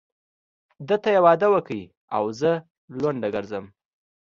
ده ته يې واده وکړ او زه لونډه ګرځم.